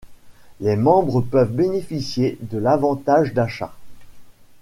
Les membres peuvent bénéficier de l'avantage d'achat.